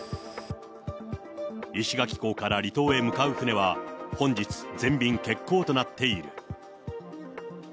石垣港から離島へ向かう船は本日、全便欠航となっている。